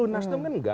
nasdem kan enggak